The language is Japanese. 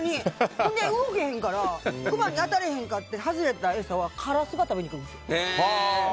ほんで、動けへんからクマに当たらなくて外れた餌はカラスが食べに来るんですよ。